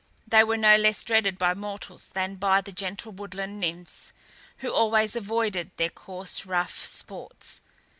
They were no less dreaded by mortals than by the gentle woodland nymphs, who always avoided their coarse rough sports.